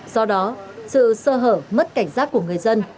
do đó sự sơ hở mất cảnh giác của người dân